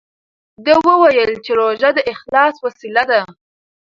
ده وویل چې روژه د اخلاص وسیله ده.